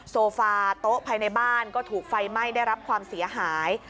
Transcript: โซฟาโต๊ะภายในบ้านก็ถูกไฟไหม้ได้รับความเสียหาย